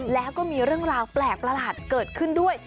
แล้วก็มีเรื่องราวแปลกประหลาดเกิดขึ้นด้วย